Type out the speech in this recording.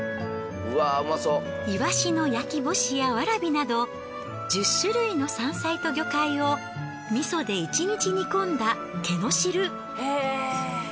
いわしの焼き干しやわらびなど１０種類の山菜と魚介を味噌で一日煮込んだけの汁。